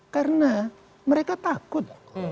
karena mereka takut